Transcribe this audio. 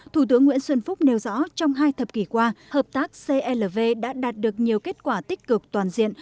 thủ tướng nguyễn xuân phúc nêu rõ trong hai thập kỷ qua hợp tác clv đã đạt được nhiều kết quả tích cực toàn diện